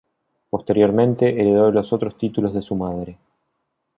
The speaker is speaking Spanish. Posteriormente, heredó los otros títulos de su madre.